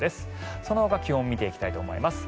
そのほか気温を見ていきたいと思います。